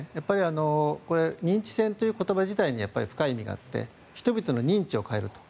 認知戦という言葉自体に深い意味があって人々の認知を変えると。